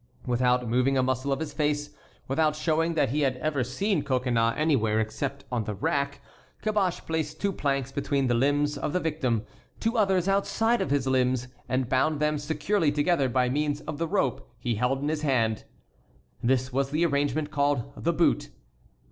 Without moving a muscle of his face, without showing that he had ever seen Coconnas anywhere except on the rack, Caboche placed two planks between the limbs of the victim, two others outside of his limbs, and bound them securely together by means of the rope he held in his hand. This was the arrangement called the "boot."